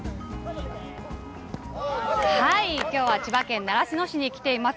きょうは千葉県習志野市に来ています。